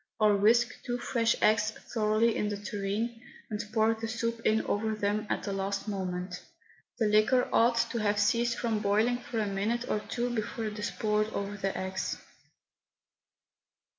Or whisk two fresh eggs thoroughly in the tureen, and pour the soup in over them at the last moment. The liquor ought to have ceased from boiling for a minute or two before it is poured over the eggs.